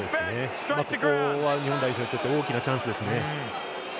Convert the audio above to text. ここは日本代表にとっては大きなチャンスですね。